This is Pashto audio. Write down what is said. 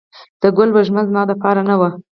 د ګل وږمه زما دپار نه وه